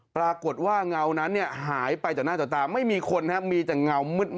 ปรากฏว่าเงานั้นหายไปต่อหน้าต่อตาไม่มีคนครับมีแต่เงามืด